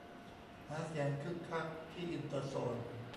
หาเสียงคึกคักที่อินเตอร์โซน